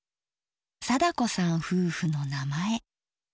貞子さん夫婦の名前。